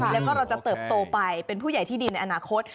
แล้วก็เราจะเติบโตไปเป็นผู้ใหญ่ที่ดีในอนาคต